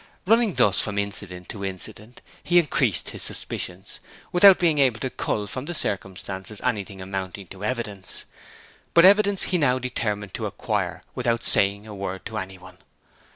Running thus from incident to incident he increased his suspicions without being able to cull from the circumstances anything amounting to evidence; but evidence he now determined to acquire without saying a word to any one.